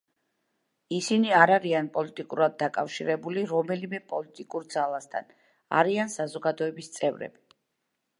ისინი არ არიან პოლიტიკურად დაკავშირებული რომელიმე პოლიტიკურ ძალასთან, არიან საზოგადოების წევრები.